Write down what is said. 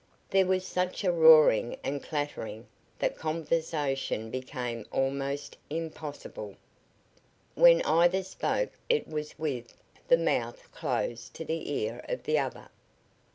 There was such a roaring and clattering that conversation became almost impossible. When either spoke it was with the mouth close to the ear of the other.